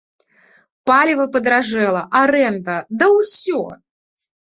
Паліва падаражэла, арэнда, да ўсё!